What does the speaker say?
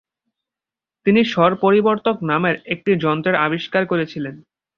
তিনি স্বর পরিবর্তক নামের একটি যন্ত্রের আবিষ্কার করেছিলেন।